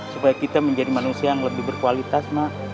supaya kita menjadi manusia yang lebih berkualitas mak